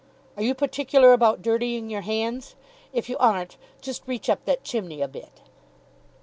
Are you particular about dirtying your hands? If you aren't, just reach up that chimney a bit?"